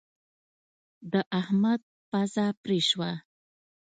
د احمد پزه پرې شوه.